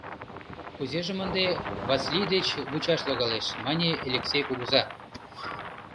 — Кузежым ынде Васлий деч вучаш логалеш, — мане Элексей кугыза.